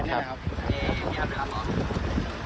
ครับเฉียบครับ